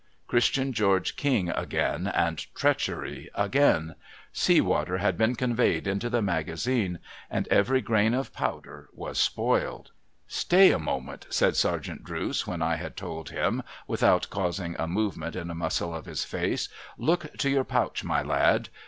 Christian George King again, and treachery again ! Sea water had been conveyed into the magazine, and every grain of powder was spoiled ! 1 64 PERILS OF CERTAIN ENGLISH PRISONERS ' Stay a moment,' said Sergeant Drooce, when I had told him, without causing a movement in a muscle of his face :' look to your pouch, my lad.